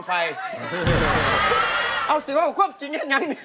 ไฟอะไรน่ะนี่